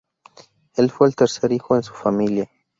Él fue el tercer hijo en su familia.